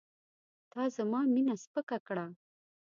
تا زما مینه سپکه کړه.